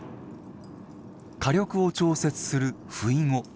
火力を調節する、ふいご。